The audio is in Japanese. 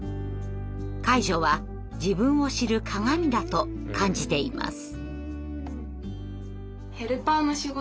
介助は自分を知る鏡だと感じています。